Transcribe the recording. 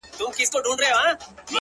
څوک وایي گران دی ـ څوک وای آسان دی ـ